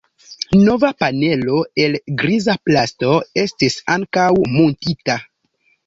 Nova panelo el griza plasto estis ankaŭ muntita.